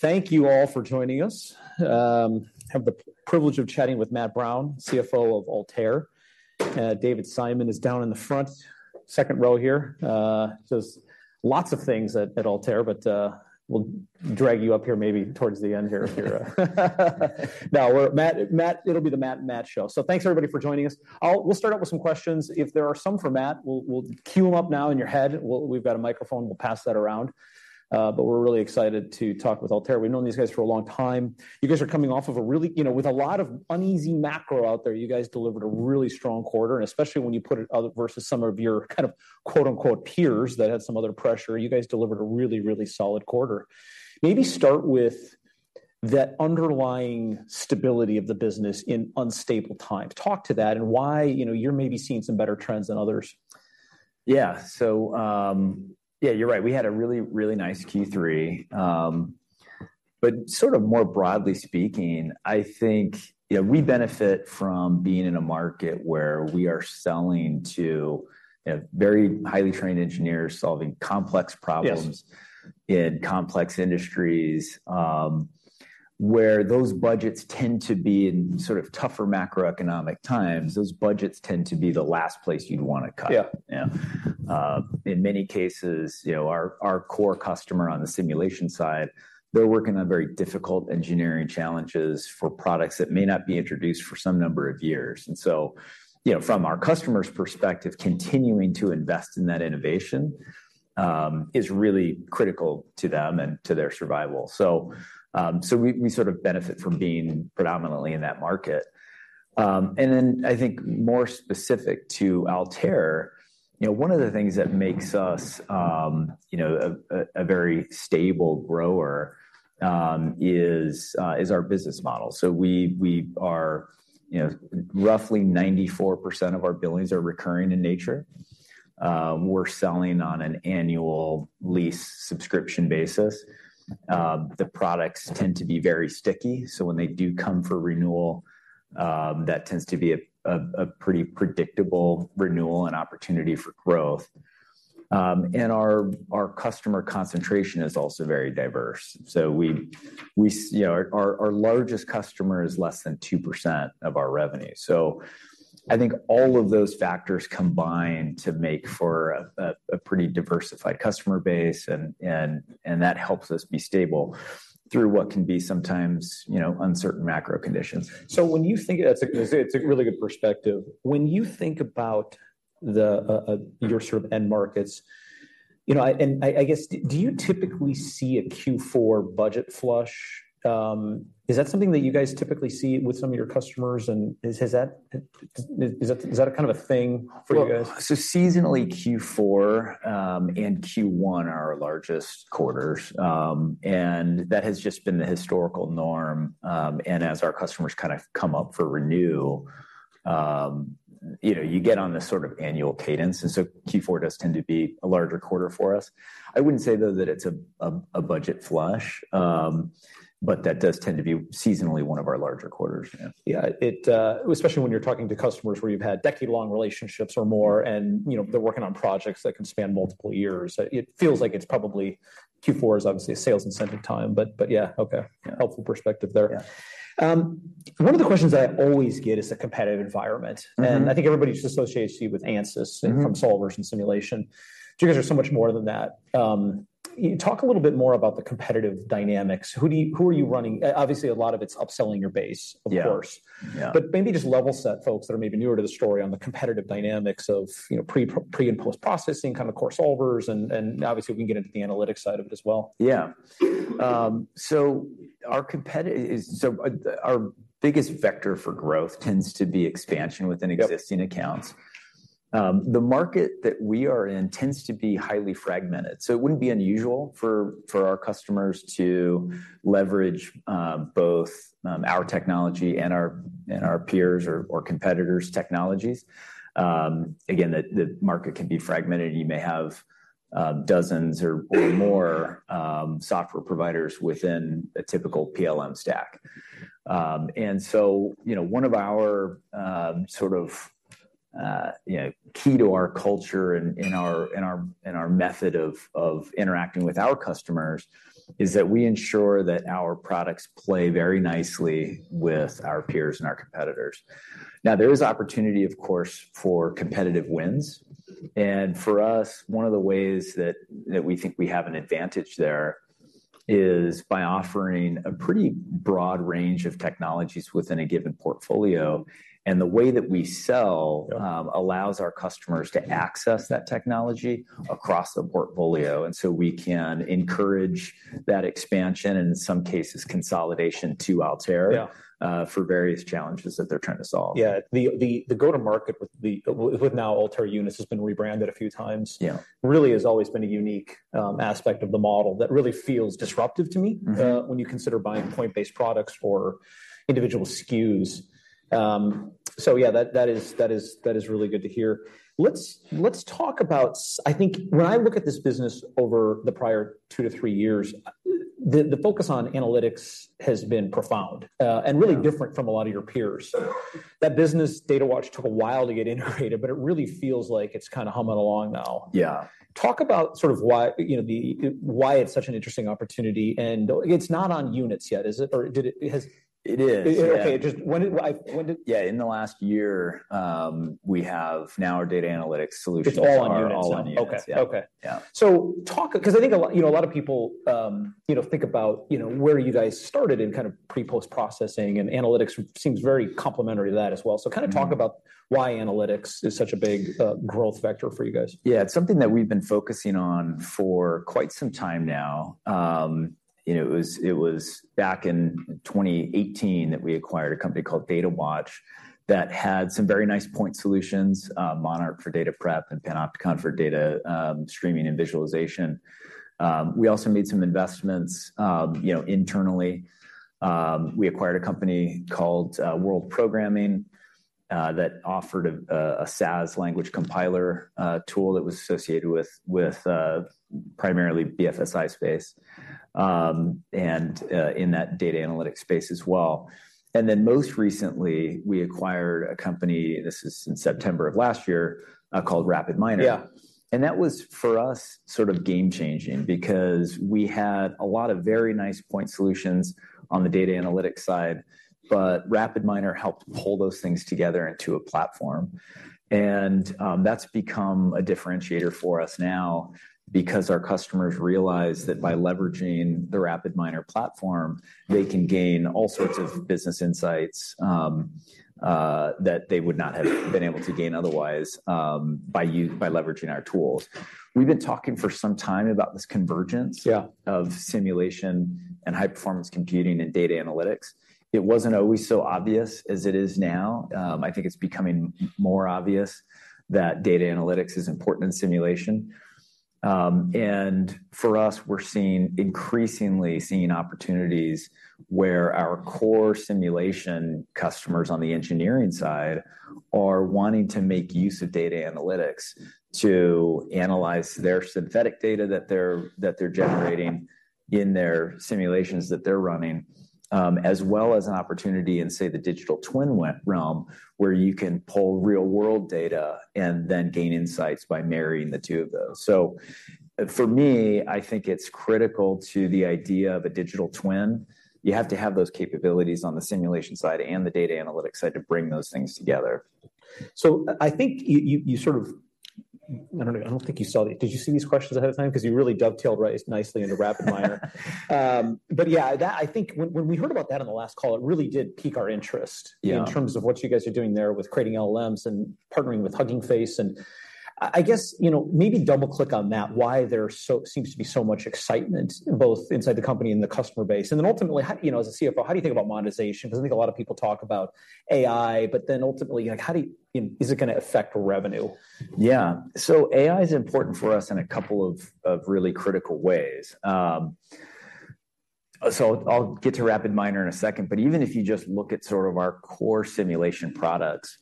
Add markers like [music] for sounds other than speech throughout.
Thank you all for joining us. I have the privilege of chatting with Matt Brown, CFO of Altair. David Simon is down in the front, second row here. Does lots of things at Altair, but we'll drag you up here maybe towards the end here. Now, Matt, Matt, it'll be the Matt and Matt show. So thanks, everybody, for joining us. We'll start out with some questions. If there are some for Matt, we'll queue them up now in your head. We've got a microphone, we'll pass that around. But we're really excited to talk with Altair. We've known these guys for a long time. You guys are coming off of a really, you know, with a lot of uneasy macro out there. You guys delivered a really strong quarter, and especially when you put it out versus some of your kind of, quote-unquote, peers that had some other pressure. You guys delivered a really, really solid quarter. Maybe start with that underlying stability of the business in unstable times. Talk to that and why, you know, you're maybe seeing some better trends than others. Yeah. So, yeah, you're right. We had a really, really nice Q3. But sort of more broadly speaking, I think, yeah, we benefit from being in a market where we are selling to, you know, very highly trained engineers solving complex problems- Yes... in complex industries, where those budgets tend to be in sort of tougher macroeconomic times. Those budgets tend to be the last place you'd want to cut. Yeah. Yeah. In many cases, you know, our core customer on the simulation side, they're working on very difficult engineering challenges for products that may not be introduced for some number of years. And so, you know, from our customer's perspective, continuing to invest in that innovation is really critical to them and to their survival. So we sort of benefit from being predominantly in that market. And then I think more specific to Altair, you know, one of the things that makes us a very stable grower is our business model. So we are, you know... Roughly 94% of our billings are recurring in nature. We're selling on an annual lease subscription basis. The products tend to be very sticky, so when they do come for renewal, that tends to be a pretty predictable renewal and opportunity for growth. And our customer concentration is also very diverse. So we, you know, our largest customer is less than 2% of our revenue. So I think all of those factors combine to make for a pretty diversified customer base, and that helps us be stable through what can be sometimes, you know, uncertain macro conditions. So when you think—that's a, it's a really good perspective. When you think about your sort of end markets, you know, I guess, do you typically see a Q4 budget flush? Is that something that you guys typically see with some of your customers, and has that—is that a kind of a thing for you guys? Well, so seasonally, Q4, and Q1 are our largest quarters, and that has just been the historical norm. And as our customers kind of come up for renew, you know, you get on this sort of annual cadence, and so Q4 does tend to be a larger quarter for us. I wouldn't say, though, that it's a budget flush, but that does tend to be seasonally one of our larger quarters, yeah. Yeah, it especially when you're talking to customers where you've had decade-long relationships or more, and, you know, they're working on projects that can span multiple years, it feels like it's probably Q4 is obviously a sales incentive time, but, but yeah. Okay. Yeah. Helpful perspective there. Yeah. One of the questions I always get is the competitive environment. I think everybody just associates you with Ansys from solvers and simulation. You guys are so much more than that. Talk a little bit more about the competitive dynamics. Who are you running? Obviously, a lot of it's upselling your base- Yeah... of course. Yeah. Maybe just level set folks that are maybe newer to the story on the competitive dynamics of, you know, pre- and post-processing, kind of coarse solvers, and obviously, we can get into the analytics side of it as well. Yeah. So, our biggest vector for growth tends to be expansion within- Yep. Existing accounts. The market that we are in tends to be highly fragmented, so it wouldn't be unusual for our customers to leverage both our technology and our peers' or competitors' technologies. Again, the market can be fragmented. You may have dozens or more software providers within a typical PLM stack. And so, you know, one of our sort of, you know, key to our culture and our method of interacting with our customers is that we ensure that our products play very nicely with our peers and our competitors. Now, there is opportunity, of course, for competitive wins. And for us, one of the ways that we think we have an advantage there is by offering a pretty broad range of technologies within a given portfolio, and the way that we sell allows our customers to access that technology across the portfolio, and so we can encourage that expansion, and in some cases, consolidation to Altair- Yeah for various challenges that they're trying to solve. Yeah, the go-to-market with now Altair Units has been rebranded a few times. Yeah. Really has always been a unique aspect of the model that really feels disruptive to me. When you consider buying point-based products for individual SKUs. So yeah, that is really good to hear. Let's talk about. I think when I look at this business over the prior two to three years, the focus on analytics has been profound. Yeah... and really different from a lot of your peers. That business Datawatch took a while to get integrated, but it really feels like it's kinda humming along now. Yeah. Talk about sort of why, you know, the why it's such an interesting opportunity, and it's not on units yet, is it? Or did it--has- It is. Okay, when did- Yeah, in the last year, we have now our data analytics solutions- It's all on Units. All on Units. Okay. Okay. Yeah. 'Cause I think a lot, you know, a lot of people, you know, think about, you know, where you guys started in kind of pre-post processing, and analytics seems very complementary to that as well. So kind of talk about why analytics is such a big growth vector for you guys. Yeah, it's something that we've been focusing on for quite some time now. You know, it was back in 2018 that we acquired a company called Datawatch, that had some very nice point solutions, Monarch for data prep and Panopticon for data streaming and visualization. We also made some investments, you know, internally. We acquired a company called World Programming, that offered a SAS language compiler tool that was associated with primarily BFSI space, and in that data analytics space as well. And then most recently, we acquired a company, this is in September of last year, called RapidMiner. Yeah. And that was, for us, sort of game changing because we had a lot of very nice point solutions on the data analytics side, but RapidMiner helped pull those things together into a platform. And, that's become a differentiator for us now because our customers realize that by leveraging the RapidMiner platform, they can gain all sorts of business insights, that they would not have been able to gain otherwise, by leveraging our tools. We've been talking for some time about this convergence- Yeah... of simulation and high-performance computing and data analytics. It wasn't always so obvious as it is now. I think it's becoming more obvious that data analytics is important in simulation. And for us, we're seeing increasingly seeing opportunities where our core simulation customers on the engineering side are wanting to make use of data analytics to analyze their synthetic data that they're generating in their simulations that they're running, as well as an opportunity in, say, the digital twin realm, where you can pull real-world data and then gain insights by marrying the two of those. So for me, I think it's critical to the idea of a digital twin. You have to have those capabilities on the simulation side and the data analytics side to bring those things together. So I think you sort of... I don't think you saw the—did you see these questions ahead of time? 'Cause you really dovetailed right nicely into RapidMiner. But yeah, that I think when we heard about that on the last call, it really did pique our interest- Yeah... in terms of what you guys are doing there with creating LLMs and partnering with Hugging Face. And I guess, you know, maybe double-click on that, why there seems to be so much excitement, both inside the company and the customer base. And then ultimately, how, you know, as a CFO, how do you think about monetization? Because I think a lot of people talk about AI, but then ultimately, like, how do you know, is it gonna affect revenue? Yeah. So AI is important for us in a couple of really critical ways. So I'll get to RapidMiner in a second, but even if you just look at sort of our core simulation products,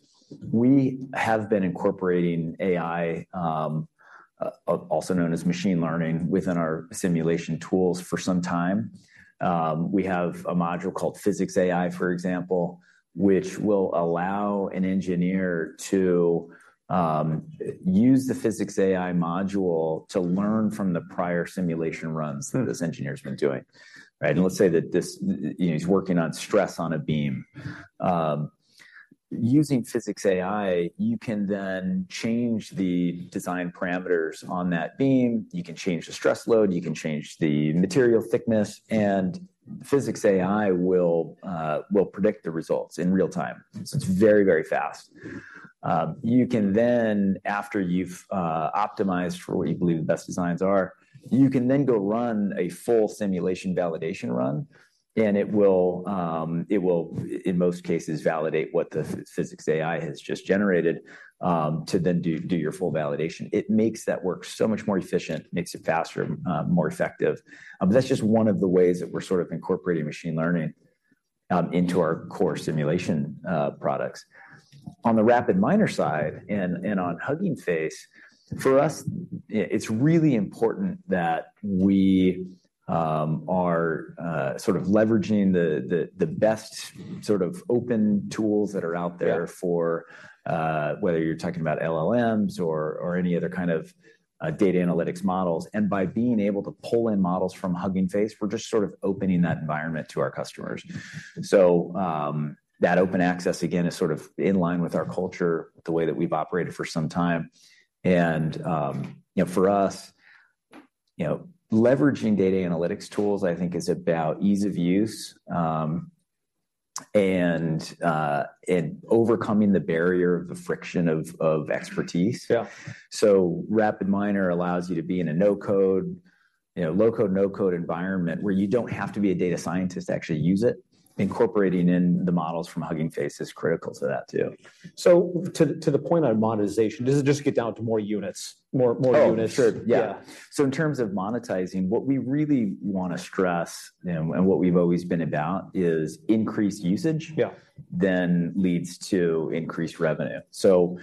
we have been incorporating AI, also known as machine learning, within our simulation tools for some time. We have a module called PhysicsAI, for example, which will allow an engineer to use the PhysicsAI module to learn from the prior simulation runs that this engineer's been doing, right? And let's say that this, you know, he's working on stress on a beam. Using PhysicsAI, you can then change the design parameters on that beam, you can change the stress load, you can change the material thickness, and PhysicsAI will predict the results in real time. So it's very, very fast. You can then, after you've optimized for what you believe the best designs are, you can then go run a full simulation validation run, and it will, in most cases, validate what the PhysicsAI has just generated, to then do your full validation. It makes that work so much more efficient, makes it faster, more effective. That's just one of the ways that we're sort of incorporating machine learning into our core simulation products. On the RapidMiner side and on Hugging Face, for us, it's really important that we are sort of leveraging the best sort of open tools that are out there- Yeah... for whether you're talking about LLMs or any other kind of data analytics models. And by being able to pull in models from Hugging Face, we're just sort of opening that environment to our customers. And so, that open access, again, is sort of in line with our culture, the way that we've operated for some time. And you know, for us, you know, leveraging data analytics tools, I think, is about ease of use and overcoming the barrier of the friction of expertise. Yeah. So RapidMiner allows you to be in a no-code, you know, low-code, no-code environment where you don't have to be a data scientist to actually use it. Incorporating in the models from Hugging Face is critical to that, too. So to the point on monetization, does it just get down to more units, more units? Oh, sure. Yeah. Yeah. In terms of monetizing, what we really wanna stress, and what we've always been about is increased usage- Yeah Then leads to increased revenue. So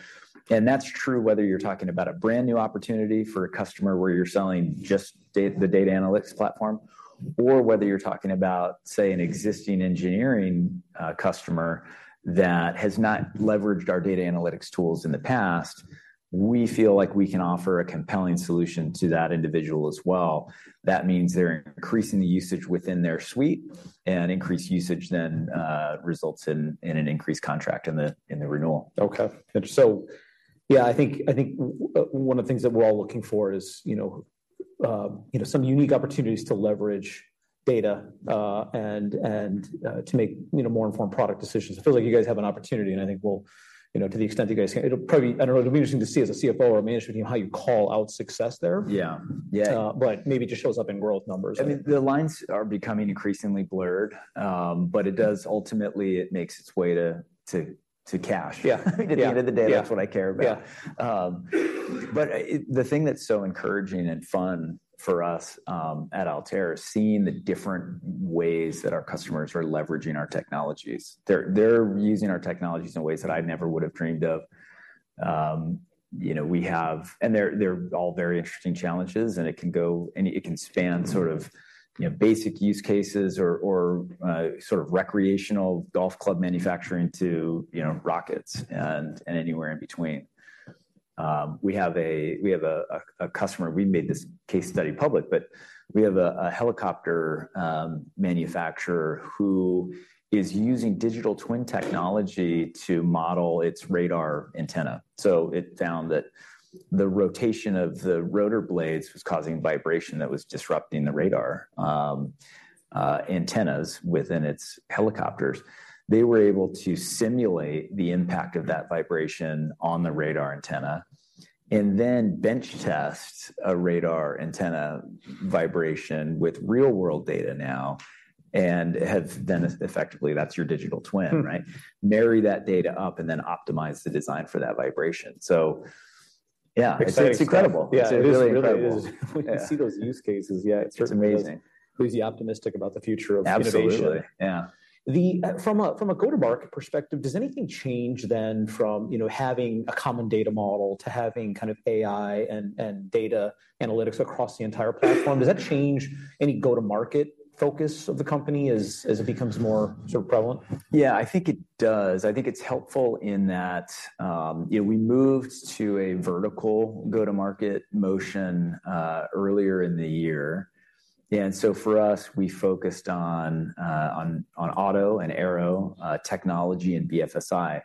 and that's true whether you're talking about a brand-new opportunity for a customer where you're selling just the data analytics platform, or whether you're talking about, say, an existing engineering customer that has not leveraged our data analytics tools in the past, we feel like we can offer a compelling solution to that individual as well. That means they're increasing the usage within their suite, and increased usage then results in an increased contract in the renewal. Okay. So yeah, I think, I think, one of the things that we're all looking for is, you know, you know, some unique opportunities to leverage data, and, and, to make, you know, more informed product decisions. It feels like you guys have an opportunity, and I think we'll, you know, to the extent you guys can... It'll probably- I don't know, it'll be interesting to see as a CFO or a management team, how you call out success there. Yeah. Yeah. Maybe it just shows up in growth numbers. I mean, the lines are becoming increasingly blurred, but it does ultimately make its way to cash. Yeah. I think at the end of the day, that's what I care about. Yeah. But the thing that's so encouraging and fun for us at Altair is seeing the different ways that our customers are leveraging our technologies. They're using our technologies in ways that I never would have dreamed of. You know, we have... And they're all very interesting challenges, and it can go, and it can span sort of, you know, basic use cases or, or sort of recreational golf club manufacturing to, you know, rockets and anywhere in between. We have a customer; we made this case study public, but we have a helicopter manufacturer who is using digital twin technology to model its radar antenna. So it found that the rotation of the rotor blades was causing vibration that was disrupting the radar antennas within its helicopters. They were able to simulate the impact of that vibration on the radar antenna, and then bench test a radar antenna vibration with real-world data now, and have, then effectively, that's your digital twin, right? Marry that data up and then optimize the design for that vibration. So yeah- Exciting stuff... it's incredible. Yeah, it is. It's really incredible. It is. Yeah. We can see those use cases. Yeah, it's- It's amazing... crazy optimistic about the future of innovation. Absolutely. Yeah. From a go-to-market perspective, does anything change then from, you know, having a common data model to having kind of AI and data analytics across the entire platform? Does that change any go-to-market focus of the company as it becomes more sort of prevalent? Yeah, I think it does. I think it's helpful in that, you know, we moved to a vertical go-to-market motion earlier in the year. And so for us, we focused on auto and aero, technology and BFSI.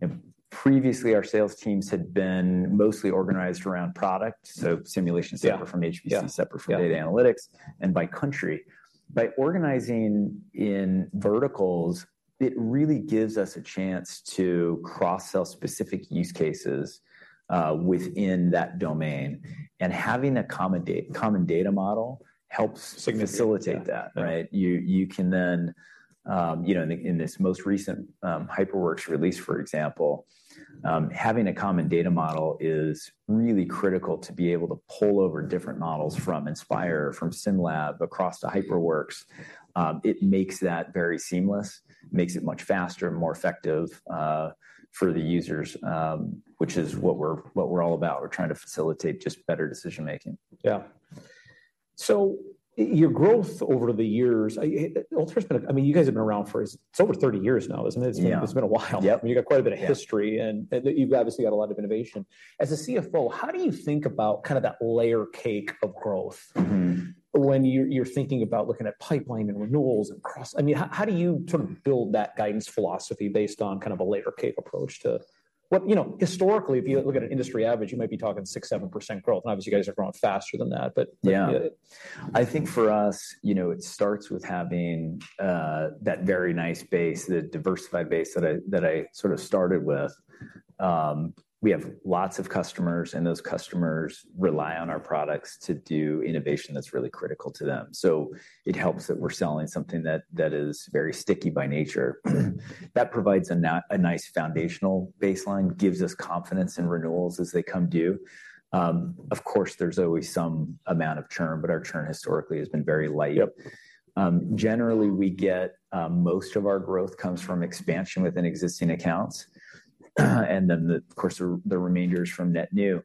And previously, our sales teams had been mostly organized around product, so simulation- Yeah... separate from HPC- Yeah... separate from data analytics and by country. By organizing in verticals, it really gives us a chance to cross-sell specific use cases within that domain. Having a common data model helps facilitate that, right? Yeah. You, you can then, you know, in the—in this most recent HyperWorks release, for example, having a common data model is really critical to be able to pull over different models from Inspire, from SimLab, across to HyperWorks. It makes that very seamless, makes it much faster and more effective, for the users, which is what we're, what we're all about. We're trying to facilitate just better decision-making. Yeah. So your growth over the years, Altair's been, I mean, you guys have been around for, as it's over 30 years now, isn't it? Yeah. It's been a while. Yep. You've got quite a bit of history- Yeah... and you've obviously got a lot of innovation. As a CFO, how do you think about kind of that layer cake of growth? When you're thinking about looking at pipeline and renewals and cross... I mean, how do you sort of build that guidance philosophy based on kind of a layer cake approach to... Well, you know, historically, if you look at an industry average, you might be talking 6%-7% growth, and obviously, you guys are growing faster than that, but- Yeah... but, yeah. I think for us, you know, it starts with having that very nice base, the diversified base that I sort of started with. We have lots of customers, and those customers rely on our products to do innovation that's really critical to them. So it helps that we're selling something that is very sticky by nature. That provides a nice foundational baseline, gives us confidence in renewals as they come due. Of course, there's always some amount of churn, but our churn historically has been very light. Yep. Generally, most of our growth comes from expansion within existing accounts, and then, of course, the remainder is from net new.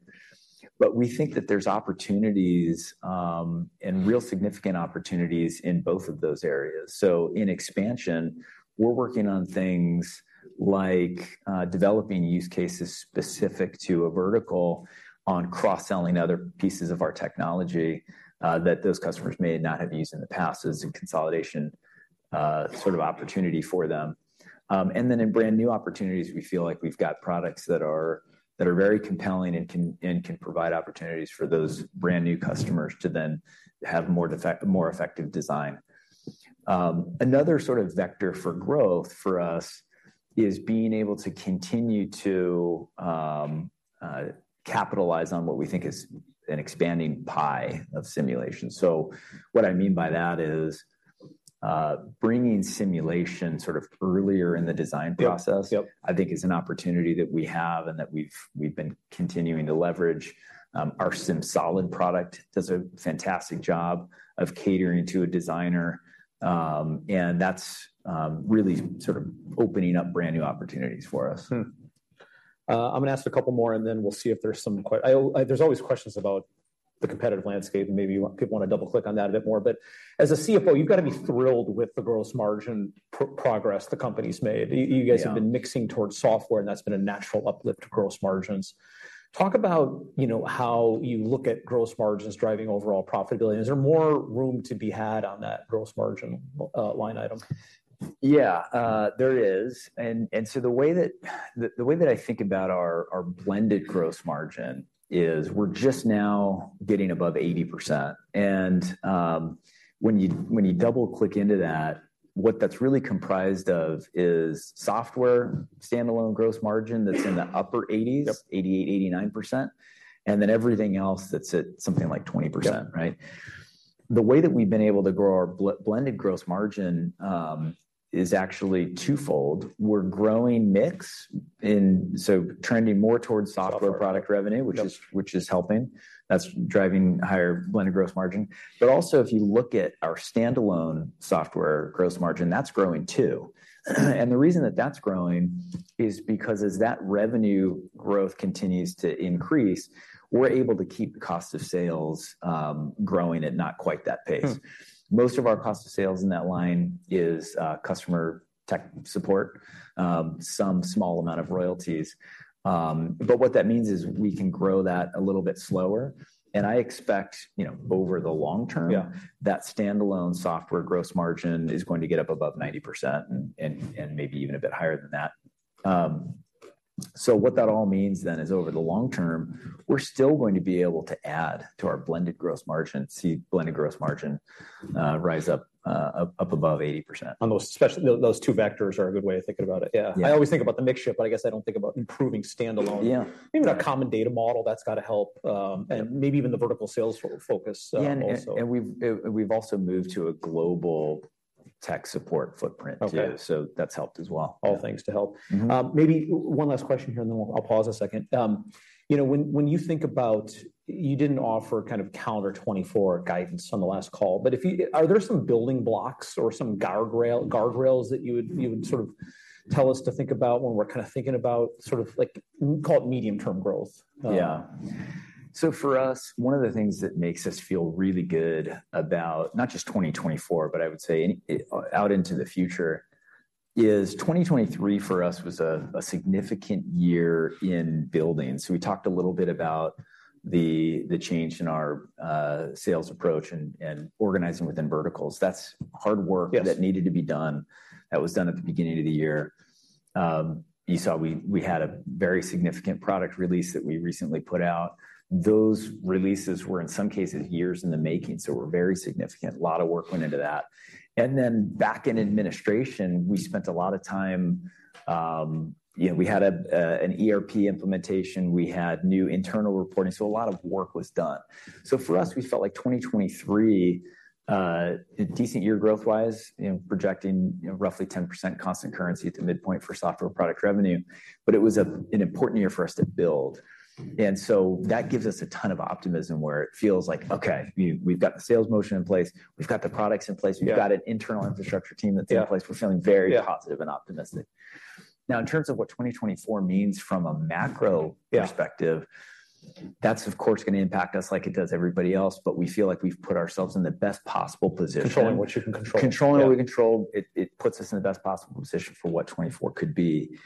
But we think that there's opportunities, and real significant opportunities in both of those areas. So in expansion, we're working on things like developing use cases specific to a vertical on cross-selling other pieces of our technology that those customers may not have used in the past as a consolidation sort of opportunity for them. And then in brand-new opportunities, we feel like we've got products that are very compelling and can provide opportunities for those brand-new customers to then have more effective design. Another sort of vector for growth for us is being able to continue to capitalize on what we think is an expanding pie of simulation. So what I mean by that is bringing simulation sort of earlier in the design process- Yep, yep. I think is an opportunity that we have and that we've been continuing to leverage. Our SimSolid product does a fantastic job of catering to a designer. And that's really sort of opening up brand-new opportunities for us. I'm gonna ask a couple more, and then we'll see if there's some questions about the competitive landscape, and maybe you want—people wanna double-click on that a bit more. But as a CFO, you've gotta be thrilled with the gross margin progress the company's made. Yeah. You guys have been mixing towards software, and that's been a natural uplift to gross margins. Talk about, you know, how you look at gross margins driving overall profitability. Is there more room to be had on that gross margin line item? Yeah, there is. And so the way that I think about our blended gross margin is we're just now getting above 80%. And when you double-click into that, what that's really comprised of is software standalone gross margin that's in the upper 80s- Yep.... 88%-89%, and then everything else that's at something like 20%, right? Yeah. The way that we've been able to grow our blended gross margin is actually twofold. We're growing mix, and so trending more towards software- Software.... product revenue- Yep.... which is helping. That's driving higher blended gross margin. But also, if you look at our standalone software gross margin, that's growing too. And the reason that that's growing is because as that revenue growth continues to increase, we're able to keep cost of sales growing at not quite that pace. Most of our cost of sales in that line is customer tech support, some small amount of royalties. But what that means is we can grow that a little bit slower, and I expect, you know, over the long term- Yeah.... that standalone software gross margin is going to get up above 90% and maybe even a bit higher than that. So what that all means then is, over the long term, we're still going to be able to add to our blended gross margin, see blended gross margin rise up above 80%. On those. Especially, those two vectors are a good way of thinking about it. Yeah. Yeah. I always think about the mix shift, but I guess I don't think about improving standalone. Yeah. Even a common data model, that's gotta help, and maybe even the vertical sales focus, also. Yeah, and we've also moved to a global tech support footprint too. Okay. That's helped as well. All things to help. Maybe one last question here, and then I'll, I'll pause a second. You know, when, when you think about... You didn't offer kind of calendar 2024 guidance on the last call, but if you... Are there some building blocks or some guardrail, guardrails that you would, you would sort of tell us to think about when we're kind of thinking about sort of like, call it medium-term growth? Yeah. So for us, one of the things that makes us feel really good about not just 2024, but I would say any out into the future, is 2023 for us was a significant year in building. So we talked a little bit about the change in our sales approach and organizing within verticals. That's hard work- Yes.... that needed to be done. That was done at the beginning of the year. You saw we, we had a very significant product release that we recently put out. Those releases were, in some cases, years in the making, so were very significant. A lot of work went into that. And then back in administration, we spent a lot of time. You know, we had a, an ERP implementation. We had new internal reporting. So a lot of work was done. So for us, we felt like 2023, a decent year growth-wise, you know, projecting, you know, roughly 10% constant currency at the midpoint for software product revenue, but it was a, an important year for us to build. And so that gives us a ton of optimism where it feels like: Okay, we, we've got the sales motion in place. We've got the products in place. Yeah. We've got an internal infrastructure team that's in place. Yeah. We're feeling very positive- Yeah.... and optimistic. Now, in terms of what 2024 means from a macro perspective- Yeah.... that's, of course, gonna impact us like it does everybody else, but we feel like we've put ourselves in the best possible position. Controlling what you can control. Controlling what we control. Yeah. It puts us in the best possible position for what 2024 could be.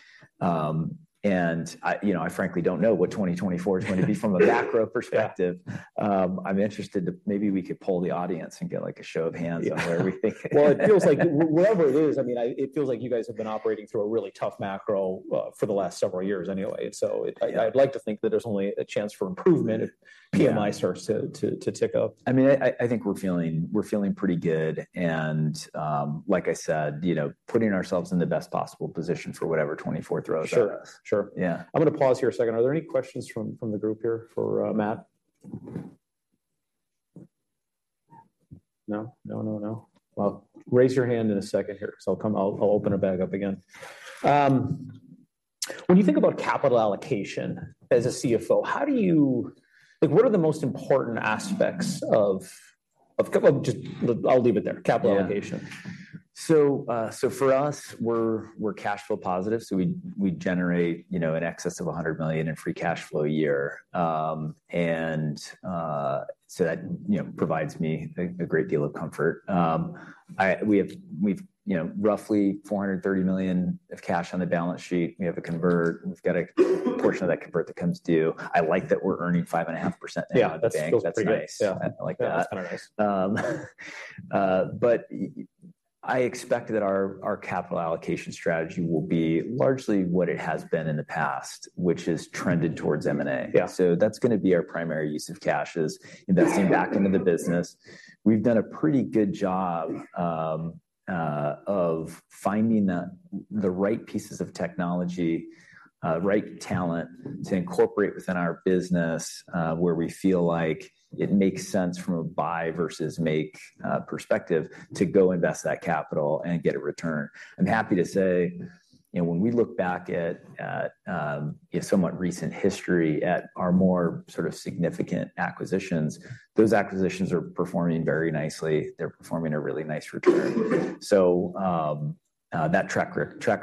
And I, you know, frankly don't know what 2024 is going to be from a macro perspective. Yeah. I'm interested to... Maybe we could poll the audience and get, like, a show of hands on where we think. Well, it feels like whatever it is, I mean, it feels like you guys have been operating through a really tough macro, for the last several years anyway. So it- Yeah.... I'd like to think that there's only a chance for improvement- Yeah... if PMI starts to tick up. I mean, I think we're feeling pretty good, and, like I said, you know, putting ourselves in the best possible position for whatever 2024 throws at us. Sure. Sure. Yeah. I'm gonna pause here a second. Are there any questions from the group here for Matt? No? No, no, no. Well, raise your hand in a second here, so I'll come... I'll open it back up again. When you think about capital allocation as a CFO, how do you—like, what are the most important aspects of... Just I'll leave it there, capital allocation? Yeah. So for us, we're cash flow positive, so we generate, you know, in excess of $100 million in free cash flow a year. And so that, you know, provides me a great deal of comfort. We have, you know, roughly $430 million of cash on the balance sheet. We have a convert. We've got a portion of that convert that comes due. I like that we're earning 5.5% in the bank. Yeah, that feels pretty good. That's nice. Yeah. I like that. That's kind of nice. But I expect that our, our capital allocation strategy will be largely what it has been in the past, which has trended towards M&A. Yeah. So that's gonna be our primary use of cash is investing back into the business. We've done a pretty good job of finding the right pieces of technology, right talent to incorporate within our business, where we feel like it makes sense from a buy versus make perspective to go invest that capital and get a return. I'm happy to say you know, when we look back at you know, somewhat recent history at our more sort of significant acquisitions, those acquisitions are performing very nicely. They're performing a really nice return. That track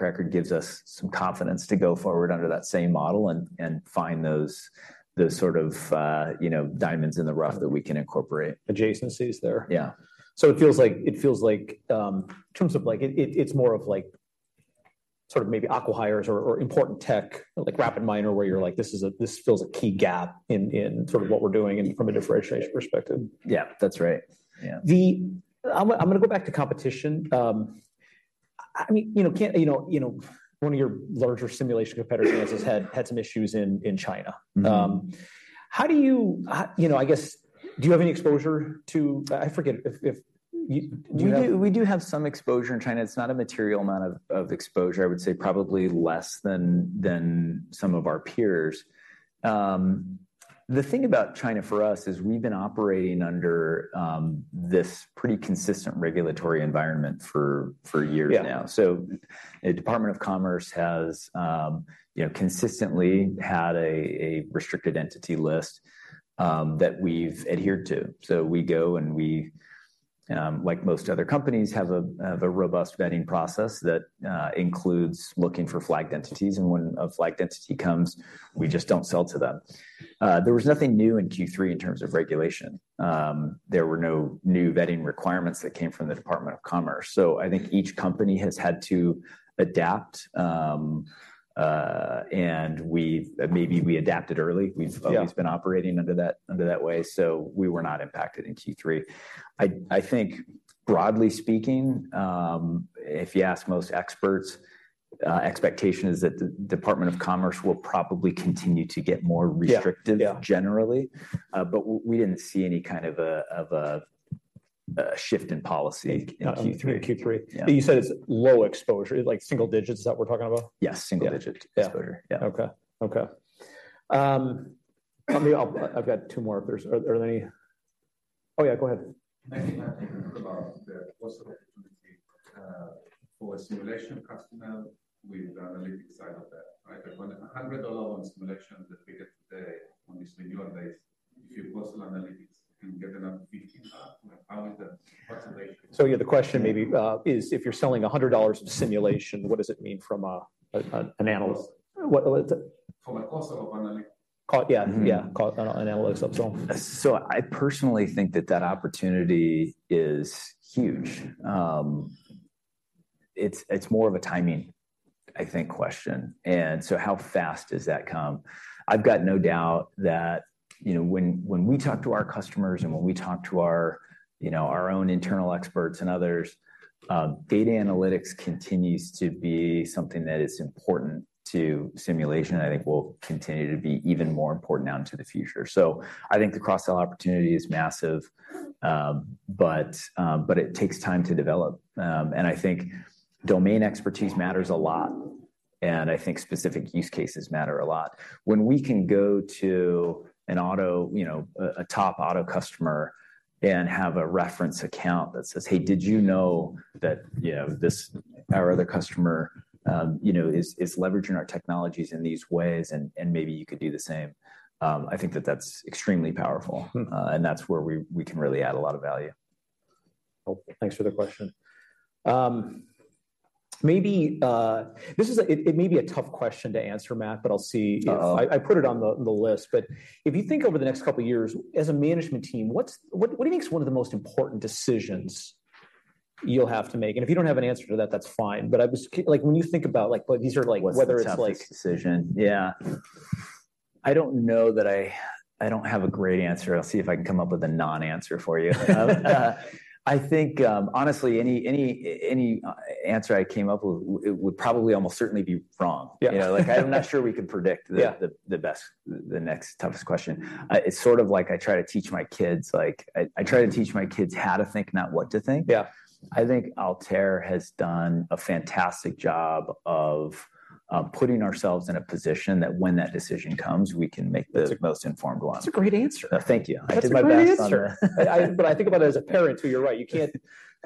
record gives us some confidence to go forward under that same model and find those sort of you know, diamonds in the rough that we can incorporate. Adjacencies there? Yeah. So it feels like, in terms of like it, it's more of like sort of maybe acquihires or important tech, like RapidMiner, where you're like, this fills a key gap in sort of what we're doing and from a differentiation perspective. Yeah, that's right. Yeah. I'm gonna go back to competition. I mean, you know, one of your larger simulation competitors has had some issues in China. How do you... you know, I guess, do you have any exposure to-- I forget if, if you- We do have some exposure in China. It's not a material amount of exposure. I would say probably less than some of our peers. The thing about China for us is we've been operating under this pretty consistent regulatory environment for years now. Yeah. So the Department of Commerce has, you know, consistently had a restricted entity list that we've adhered to. So we go and, like most other companies, have a robust vetting process that includes looking for flagged entities, and when a flagged entity comes, we just don't sell to them. There was nothing new in Q3 in terms of regulation. There were no new vetting requirements that came from the Department of Commerce. So I think each company has had to adapt, and we maybe adapted early. Yeah. We've always been operating under that, under that way, so we were not impacted in Q3. I think broadly speaking, if you ask most experts, expectation is that the Department of Commerce will probably continue to get more restrictive- Yeah, yeah. Generally. But we didn't see any kind of a shift in policy in Q3. In Q3. Yeah. You said it's low exposure, like single digits, is that what we're talking about? Yes, single digit- Yeah. -exposure. Yeah. Okay. Okay. Let me... I've got two more. If there are any? Oh, yeah, go ahead. [audio distortion] for a simulation customer with the analytics side of that, right? Like when $100 on simulation that we get today on this annual basis, if you cross the analytics and get another $15, how is the calculation? Yeah, the question maybe is if you're selling $100 of simulation, what does it mean from an analyst? What was it? From a cost of analytics. Cost, yeah, yeah. Cost analytics, absolutely. So I personally think that that opportunity is huge. It's, it's more of a timing, I think, question, and so how fast does that come? I've got no doubt that, you know, when we talk to our customers and when we talk to our, you know, our own internal experts and others, data analytics continues to be something that is important to simulation, and I think will continue to be even more important out into the future. So I think the cross-sell opportunity is massive, but it takes time to develop. And I think domain expertise matters a lot, and I think specific use cases matter a lot. When we can go to an auto, you know, a top auto customer and have a reference account that says, "Hey, did you know that, you know, this, our other customer, you know, is leveraging our technologies in these ways, and maybe you could do the same?" I think that's extremely powerful and that's where we can really add a lot of value. Cool. Thanks for the question. Maybe this is a... It, it may be a tough question to answer, Matt, but I'll see if- Uh-oh. I put it on the list. But if you think over the next couple of years, as a management team, what do you think is one of the most important decisions you'll have to make? And if you don't have an answer to that, that's fine. But I was curious, like, when you think about, like, these are, like, whether it's like- What's the toughest decision? Yeah. I don't know that I, I don't have a great answer. I'll see if I can come up with a non-answer for you. I think, honestly, any, any, any answer I came up with, it would probably almost certainly be wrong. Yeah. You know, like, I'm not sure we could predict- Yeah... the best, the next toughest question. It's sort of like I try to teach my kids, like I- I try to teach my kids how to think, not what to think. Yeah. I think Altair has done a fantastic job of putting ourselves in a position that when that decision comes, we can make the most informed one. That's a great answer! Thank you. That's a great answer. I did my best on... But I think about it as a parent, too. You're right, you can't-...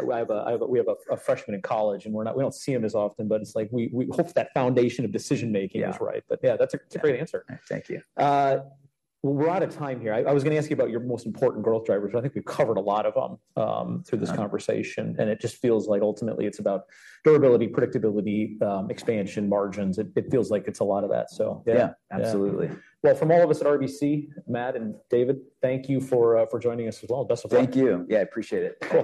We have a freshman in college, and we're not- we don't see him as often, but it's like we hope that foundation of decision-making- Yeah... is right. But yeah, that's a, that's a great answer. Thank you. We're out of time here. I was gonna ask you about your most important growth drivers, but I think we've covered a lot of them through this conversation. Yeah. It just feels like ultimately it's about durability, predictability, expansion, margins. It feels like it's a lot of that, so yeah. Yeah, absolutely. Well, from all of us at RBC, Matt and David, thank you for joining us as well. Best of luck. Thank you. Yeah, I appreciate it.